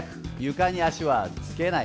床に足はつけない。